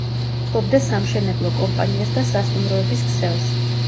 ფლობდა სამშენებლო კომპანიას და სასტუმროების ქსელს.